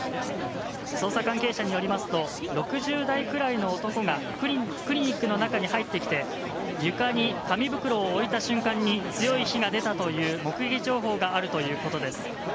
捜査関係者によりますと６０代くらいの男がクリニックの中に入ってきて床に紙袋を置いた瞬間に強い火が出たという目撃情報があるということです。